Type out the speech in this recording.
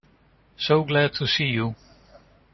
So glad to see you.